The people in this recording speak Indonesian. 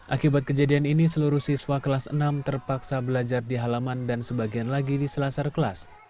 akibat kejadian ini seluruh siswa kelas enam terpaksa belajar di halaman dan sebagian lagi di selasar kelas